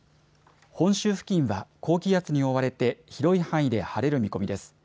本州付近は高気圧に覆われて広い範囲で晴れる見込みです。